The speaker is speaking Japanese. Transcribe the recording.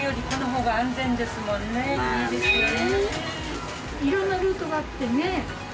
いいですよね。